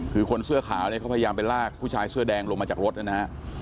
คือคนเสื้อขาวเนี่ยเขาพยายามไปลากผู้ชายเสื้อแดงลงมาจากรถนะฮะ